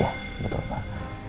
ya betul pak